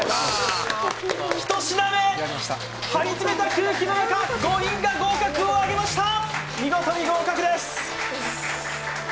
１品目張り詰めた空気の中５人が合格をあげました！